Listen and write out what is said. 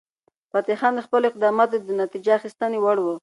فتح خان د خپلو اقداماتو د نتیجه اخیستنې وړ و.